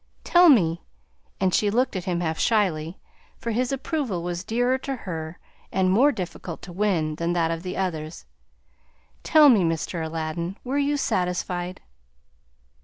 Tell me" and she looked at him half shyly, for his approval was dearer to her, and more difficult to win, than that of the others "tell me, Mr. Aladdin, were you satisfied?"